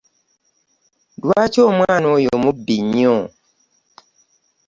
Lwaki omwana oyo mubbi nnyo?